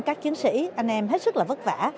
các chiến sĩ anh em hết sức là vất vả